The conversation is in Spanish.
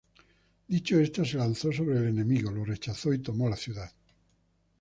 Dicho esto se lanzó sobre el enemigo, le rechazó y tomó la ciudad.